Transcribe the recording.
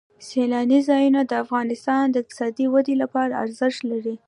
سیلانی ځایونه د افغانستان د اقتصادي ودې لپاره ارزښت لري.